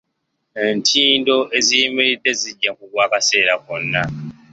Entindo eziyimiridde zijja kugwa akaseera konna.